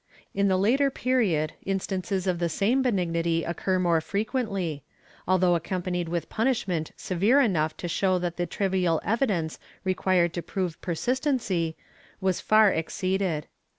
* In the later period, instances of the same benignity occur more frequently, although accompanied with punishment severe enough to show that the trivial evidence required to prove persistency was far exceeded.